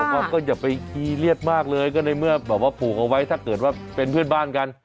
ว่าก็อย่าไปคีเรียสมากเลยก็ในเมื่อแบบว่าผูกเอาไว้ถ้าเกิดว่าเป็นเพื่อนบ้านกัน